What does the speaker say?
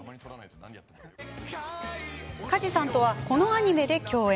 梶さんとは、このアニメで共演。